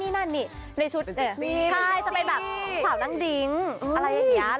ใช่จะเป็นแบบสาวนั่งดิ้งอะไรอย่างนี้